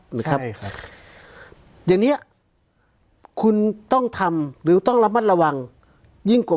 ใช่ครับเงี้ยคุณต้องทำหรือต้องรับระวังยิ่งกว่า